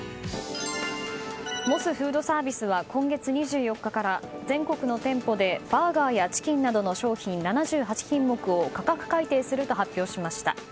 モスフードサービスは今月２４日から全国の店舗でバーガーやチキンなどの商品７８品目を価格改定すると発表しました。